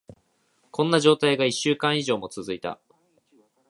こんな状態が一週間以上も続いた。